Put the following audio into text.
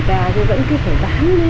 vẫn cứ phải bán đi vẫn cứ phải cố gắng kiếm